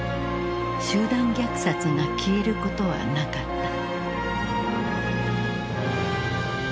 集団虐殺が消えることはなかった。